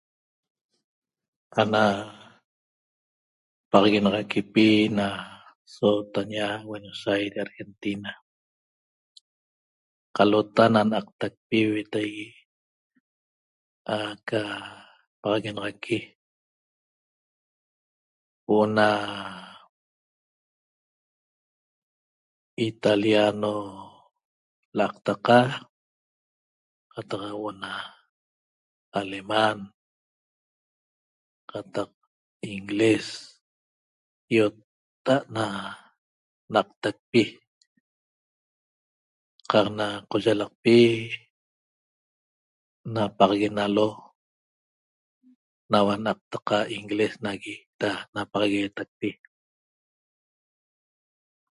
Ana paxaguenaxaquipi na sootaña Buenos Aires Argentina qalota na n'aqtacpi huetaigue aca paxaguenaxaqui huo'o na Italiano l'aqtaqa qataq huo'o na alemán qataq inglés ýotta'a't na n'aqtacpi qaq na qoyalaqpi napaxaguenalo naua n'aqtaqa na inglés nagui da napaxagueetacpi